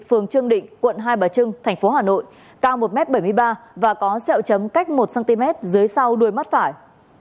phường trương định quận hai bà trưng thành phố hà nội cao một m bảy mươi ba và có sẹo chấm cách một cm dưới sau đuôi mắt phải